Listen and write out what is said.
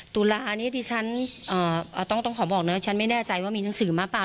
ตุลานี่ที่ฉันอ่าต้องต้องขอบอกนะฉันไม่แน่ใจว่ามีหนังสือมาป่าว